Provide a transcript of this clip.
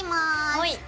はい。